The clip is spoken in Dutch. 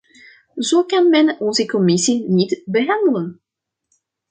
Zo kan men onze commissie niet behandelen!